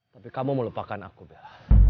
tapi kamu melupakan aku bella